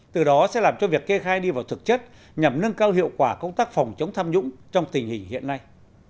từ đó sẽ làm cho việc kê khai đi vào thực chất nhằm nâng cao hiệu quả công tác phòng chống tham nhũng trong tình hình hiện nay